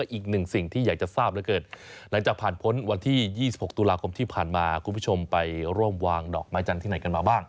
อีกหนึ่งสิ่งที่อยากจะทราบเหลือเกินหลังจากผ่านพ้นวันที่๒๖ตุลาคมที่ผ่านมาคุณผู้ชมไปร่วมวางดอกไม้จันทร์ที่ไหนกันมาบ้าง